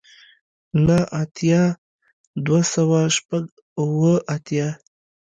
نه اتیای دوه سوه شپږ اوه اتیا